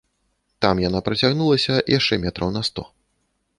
Там яна працягнулася яшчэ метраў на сто.